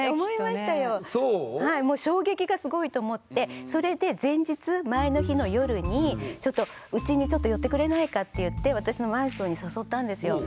はいもう衝撃がすごいと思ってそれで前日前の日の夜にちょっとうちにちょっと寄ってくれないかって言って私のマンションに誘ったんですよ。